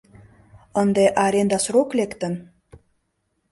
Ынде аренда срок лектын?